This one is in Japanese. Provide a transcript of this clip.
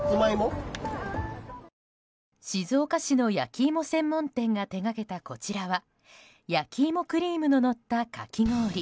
静岡市の焼き芋専門店が手掛けたこちらは焼き芋クリームののったかき氷。